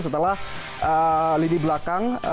setelah lini belakang